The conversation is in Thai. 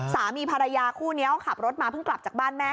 สามีภรรยาคู่นี้เขาขับรถมาเพิ่งกลับจากบ้านแม่